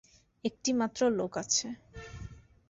একটিমাত্র লোক আছে।